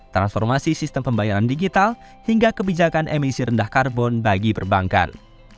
transformasi sistem pembayaran digital hingga kebijakan emisi rendah karbon bagi perbankan